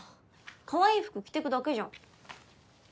かわいい服着てくだけじゃん。